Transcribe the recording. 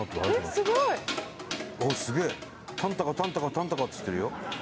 すごいあっすげえタンタカタンタカタンタカっつってるよ